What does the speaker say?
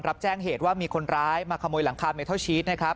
รับแจ้งเหตุว่ามีคนร้ายมาขโมยหลังคาเมทัลชีสนะครับ